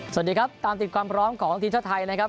สวัสดีครับตามติดความพร้อมของทีมชาติไทยนะครับ